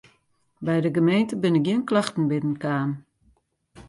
By de gemeente binne gjin klachten binnen kaam.